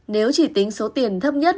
nếu chỉ tính số tiền thấp nhất